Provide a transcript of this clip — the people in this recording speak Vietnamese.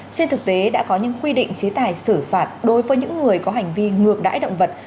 trên thực tế đã có những quy định chế tài xử phạt đối với những người có hành vi ngược đáy động vật